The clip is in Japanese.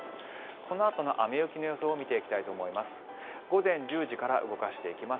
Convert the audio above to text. このあとの雨・雪の予想を見ていきたいと思います。